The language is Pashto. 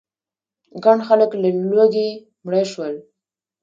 ګڼ خلک له لوږې مړه شول.